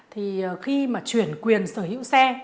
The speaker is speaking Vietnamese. thì khi mà chuyển quyền sở hữu xe